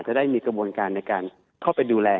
ได้มีกระบวนการในการเข้าไปดูแล